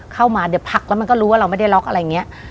เข้ามาเดี๋ยวพักแล้วมันก็รู้ว่าเราไม่ได้ล็อกอะไรอย่างนี้